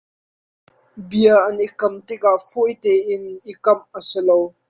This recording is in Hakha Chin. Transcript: Bia an i kam tikah fawite in i kamh a si lo.